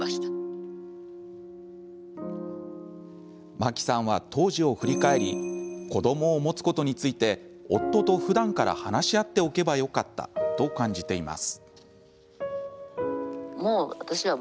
マキさんは当時を振り返り子どもを持つことについて夫と、ふだんから話し合っておけばよかったと感じています。